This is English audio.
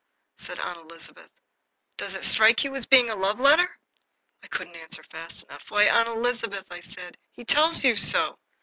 said Aunt Elizabeth. "Does it strike you as being a love letter!" I couldn't answer fast enough. "Why, Aunt Elizabeth," I said, "he tells you so.